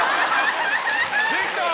できた！